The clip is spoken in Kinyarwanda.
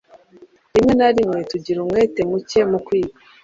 rimwe na rimwe tugira umwete muke mu kwiga.